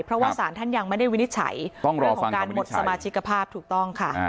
เพราะว่าสารท่านยังไม่ได้วินิจฉัยเรื่องของการหมดสมาชิกภาพถูกต้องค่ะ